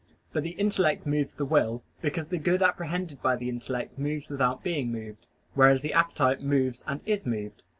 But the intellect moves the will, because the good apprehended by the intellect moves without being moved; whereas the appetite moves and is moved.